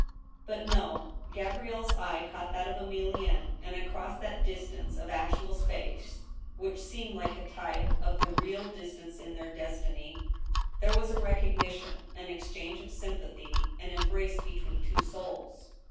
But no ; Gabrielle s eye caught that of Emilienne, and across that distance of actual space (which seemed like a type of the real dis IQO THE STEEL HAMMER. tance in their destiny) there was a recognition, an exchange of sym pathy, an embrace between their souls.